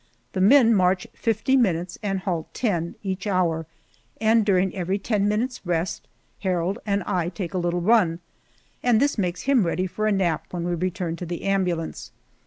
The men march fifty minutes and halt ten, each hour, and during every ten minutes' rest Harold and I take a little run, and this makes him ready for a nap when we return to the ambulance.